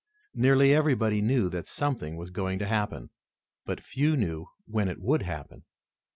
Nearly everybody knew that something was going to happen, but few knew when it would happen.